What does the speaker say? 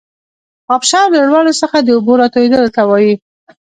ابشار له لوړو څخه د اوبو راتویدلو ته وايي.